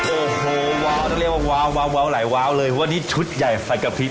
โอ้โหว้าวเรียกว่าว้าวว้าวอะไรว้าวเลยว่านี่ชุดใหญ่ไฟกระพริบ